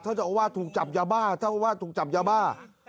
เธอจะโอเคว่าถูกจับเยอะบ้าเท่าว่าถูกจับเยอะบ้า